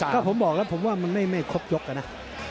ก็ผมบอกนะผมว่ามันไม่ครบยกนะ